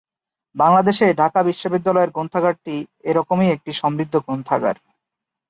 বাংলাদেশে ঢাকা বিশ্ববিদ্যালয়ের গ্রন্থাগারটি এরকমই একটি সমৃদ্ধ গ্রন্থাগার।